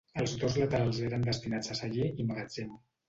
Els dos laterals eren destinats a celler i magatzem.